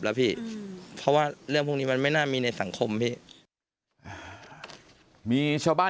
แล้วพี่เพราะว่าเรื่องพวกนี้มันไม่น่ามีในสังคมพี่มีชาวบ้าน